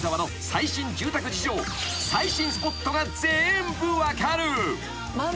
最新スポットが全部分かる］